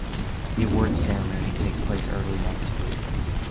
The awards ceremony takes place early next year.